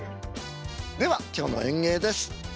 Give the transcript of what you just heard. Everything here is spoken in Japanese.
では今日の演芸です。